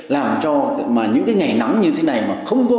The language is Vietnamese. làm cho những ngày nắng như thế này không vô